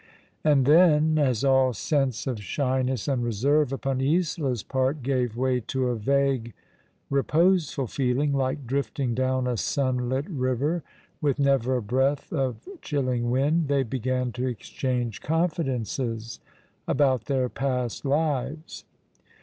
And then — as all sense of shyness and reserve upon Isola's part gave way to a vague, reposeful feeling, like drifting down a sunlit river, with never a breath of chilling wind — they began to exchange" confidences about their past lives.